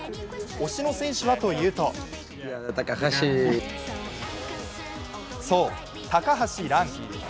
推しの選手はというとそう高橋藍。